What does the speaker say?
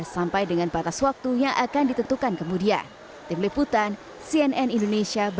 tersampai dengan patas waktu yang akan ditentukan kemudian